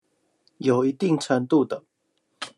有一定程度的